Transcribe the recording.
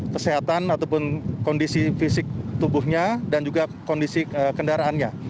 kesehatan ataupun kondisi fisik tubuhnya dan juga kondisi kendaraannya